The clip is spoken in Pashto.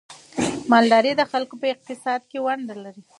مالداري د خلکو په اقتصاد کې ونډه لري.